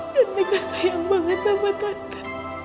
dan mereka sayang banget sama tante